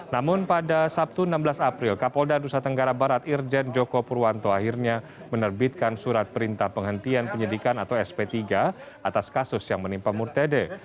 namun pada sabtu enam belas april kapolda nusa tenggara barat irjen joko purwanto akhirnya menerbitkan surat perintah penghentian penyidikan atau sp tiga atas kasus yang menimpa murtede